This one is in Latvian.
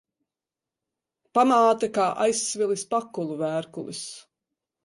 Pamāte kā aizsvilis pakulu vērkulis.